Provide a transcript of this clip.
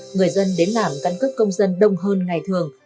người dân đến làm căn cước công dân đông hơn ngày thường